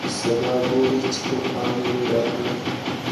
سبا ګورې چي توپان به وي راغلی